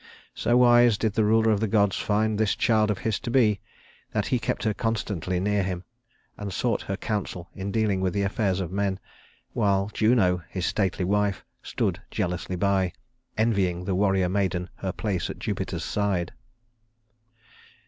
So wise did the Ruler of the gods find this child of his to be, that he kept her constantly near him, and sought her counsel in dealing with the affairs of men, while Juno, his stately wife, stood jealously by, envying the warrior maiden her place at Jupiter's side.